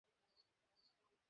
রাসূলের মজলিসে বসেন।